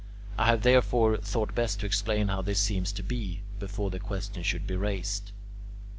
I have therefore thought best to explain how this seems to be, before the question should be raised.